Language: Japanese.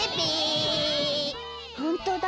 ほんとだ